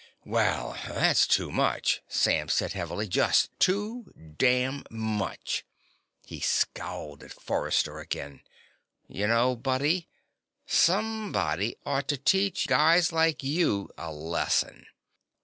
"Well, that's too much," Sam said heavily. "Just too damn much." He scowled at Forrester again. "You know, buddy, somebody ought to teach guys like you a lesson."